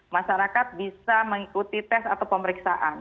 masyarakat bisa mengikuti tes atau pemeriksaan